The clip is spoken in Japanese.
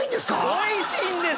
おいしいんですよ！